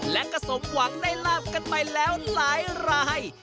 และก็สมหวังได้ลาบกันไปแล้วหลายราย